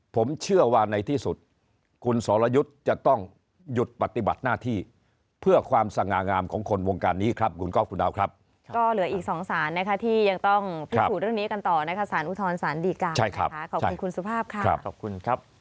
ก็เหลืออีก๒สารที่ยังต้องพิสูจน์เรื่องนี้กันต่อนะคะสารอุทธรรมสารดิการ